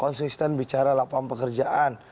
konsisten bicara lapangan pekerjaan